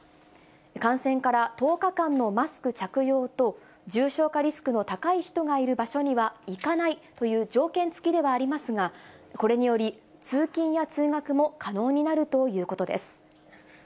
感染から１０日間のマスク着用と、重症化リスクの高い人がいる場所には行かないという条件付きではありますが、これにより、通勤や通学も可能になるということです。